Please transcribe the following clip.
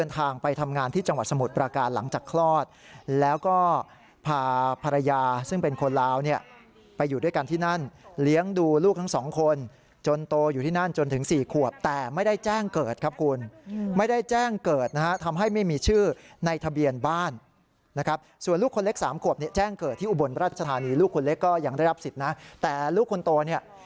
ทางไปทำงานที่จังหวัดสมุทรประการหลังจากคลอดแล้วก็พาภรรยาซึ่งเป็นคนลาวเนี่ยไปอยู่ด้วยกันที่นั่นเลี้ยงดูลูกทั้งสองคนจนโตอยู่ที่นั่นจนถึง๔ขวบแต่ไม่ได้แจ้งเกิดครับคุณไม่ได้แจ้งเกิดนะฮะทำให้ไม่มีชื่อในทะเบียนบ้านนะครับส่วนลูกคนเล็กสามขวบเนี่ยแจ้งเกิดที่อุบลราชธานีลูกคนเล็กก็ยังได้รับสิทธิ์นะแต่ลูกคนโตเนี่ย